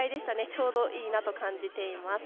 ちょうどいいなと感じています。